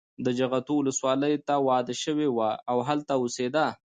د جغتو ولسوالۍ ته واده شوې وه او هلته اوسېده.